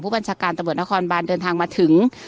บัญชาการตำรวจนครบานเดินทางมาถึง